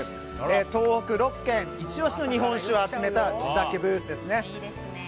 東北６県イチ押しの日本酒を集めた地酒ブースです。